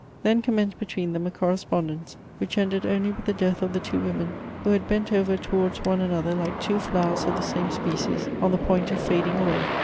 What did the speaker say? Then commenced between them a correspondence which ended only with the death of the two women who had bent over towards one another like two flowers of the same species on the point of fading away.